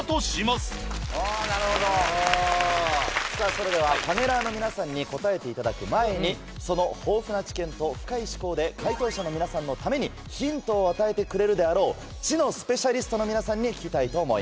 それではパネラーの皆さんに答えていただく前にその豊富な知見と深い思考で解答者の皆さんのためにヒントを与えてくれるであろう知のスペシャリストの皆さんに聞きたいと思います。